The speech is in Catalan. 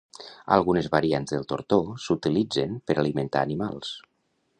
Algunes variants del tortó s'utilitzen per alimentar animals.